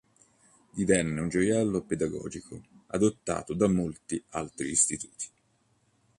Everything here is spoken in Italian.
Divenne un gioiello pedagogico adottato da molti altri istituti.